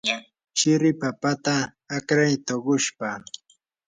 shiri papata akray tuqushpa.